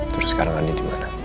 terus sekarang ani dimana